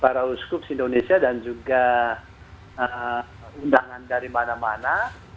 para uskups indonesia dan juga undangan dari mana mana